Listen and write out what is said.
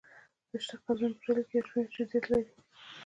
د شته قبرونو په ډله کې یو شمېر یې جزییات لري.